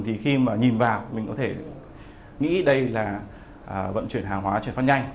thì khi mà nhìn vào mình có thể nghĩ đây là vận chuyển hàng hóa chuyển phát nhanh